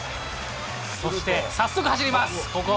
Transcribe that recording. そして早速走ります。